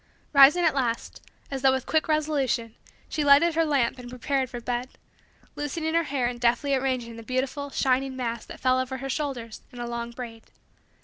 Rising at last, as though with quick resolution, she lighted her lamp and prepared for bed; loosening her hair and deftly arranging the beautiful, shining, mass that fell over her shoulders in a long braid.